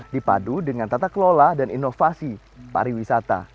dipadu dengan tata kelola dan inovasi pariwisata